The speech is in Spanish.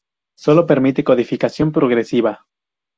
Sólo permite codificación progresiva.